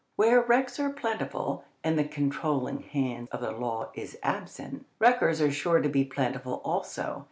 Where wrecks are plentiful, and the controlling hand of the law is absent, wreckers are sure to be plentiful also.